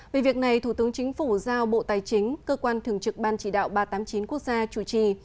về việc này thủ tướng chính phủ giao bộ tài chính cơ quan thường trực ban chỉ đạo ba trăm tám mươi chín quốc gia chủ trì